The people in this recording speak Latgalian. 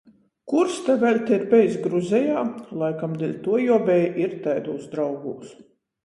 "Kurs ta vēļ te ir bejs Gruzejā?" Laikam deļtuo jī obeji ir taidūs draugūs.